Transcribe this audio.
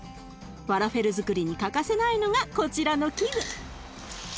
ファラフェルづくりに欠かせないのがこちらの器具。